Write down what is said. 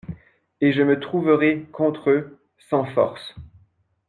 Et je me trouverais contre eux, sans force.